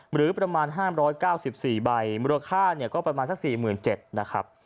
หรือประมาณ๕๙๔ใบมูลค่าก็ประมาณสัก๔๗๐๐นะครับ